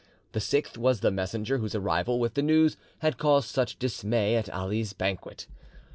The sixth was the messenger whose arrival with the news had caused such dismay at Ali's banquet.